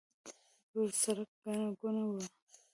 پر سړک ګڼه ګوڼه وه.